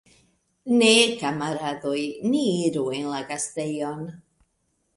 Ne, kamaradoj, ni iru en la gastejon!